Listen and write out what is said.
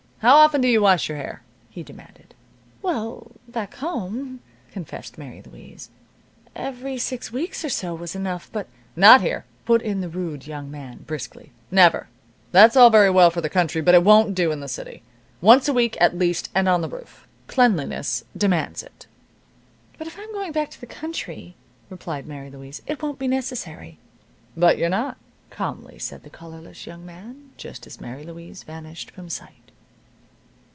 "How often do you wash your hair?" he demanded. "Well, back home," confessed Mary Louise, "every six weeks or so was enough, but " "Not here," put in the rude young man, briskly. "Never. That's all very well for the country, but it won't do in the city. Once a week, at least, and on the roof. Cleanliness demands it." "But if I'm going back to the country," replied Mary Louise, "it won't be necessary." "But you're not," calmly said the collarless young man, just as Mary Louise vanished from sight.